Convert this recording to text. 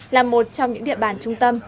là một trong những địa bàn trung tâm